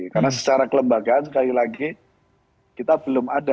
karena secara kelembagaan sekali lagi kita belum ada